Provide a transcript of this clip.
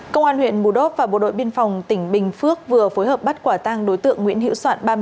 công an huyện bù đốc và bộ đội biên phòng tỉnh bình phước vừa phối hợp bắt quả tang đối tượng nguyễn hữu soạn